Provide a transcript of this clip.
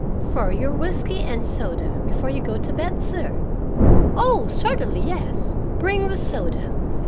"For your whisky and soda, before you go to bed, sir." "Oh, certainly, yes. Bring the soda.